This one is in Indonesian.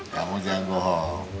kamu jangan bohong